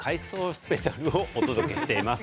スペシャルをお届けしています。